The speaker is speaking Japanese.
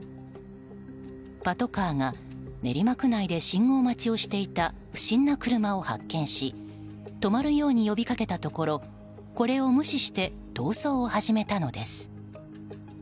パトカーが練馬区内で信号待ちをしていた不審な車を発見し止まるように呼びかけたところこれを無視して逃走を始めたのです。